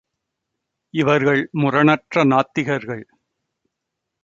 இவர்கள் முரணற்ற நாத்திகர்கள்.